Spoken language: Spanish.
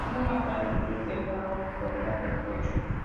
Una lámpara de vidrio de Murano cuelga del techo.